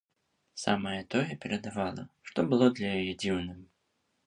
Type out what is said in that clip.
Самае тое перадавала, што было для яе дзіўным.